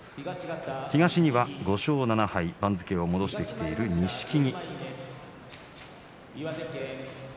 東には５勝７敗番付を戻してきている錦木。